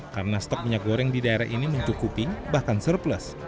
karena stok minyak goreng di daerah ini mencukupi bahkan surplus